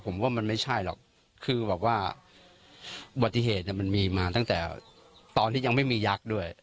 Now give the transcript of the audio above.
ผมว่ามันไม่ใช่หรอกคือแบบว่าอุบัติเหตุมันมีมาตั้งแต่ตอนที่ยังไม่มียักษ์ด้วย